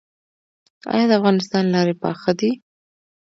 آیا د افغانستان لارې پاخه دي؟